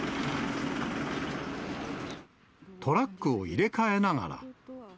トラックを入れ替えながら。